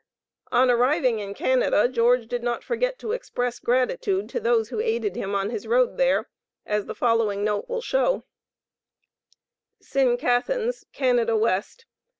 On arriving in Canada, George did not forget to express gratitude to those who aided him on his road there, as the following note will show: SINCATHANS, canada west.